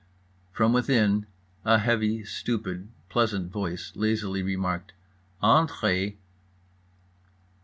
From within a heavy, stupid, pleasant voice lazily remarked: "_Entrez.